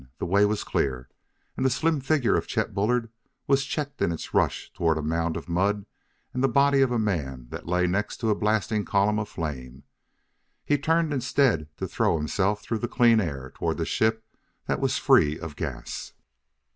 The way was clear, and the slim figure of Chet Bullard was checked in its rush toward a mound of mud and the body of a man that lay next to a blasting column of flame; he turned instead to throw himself through the clean air toward the ship that was free of gas.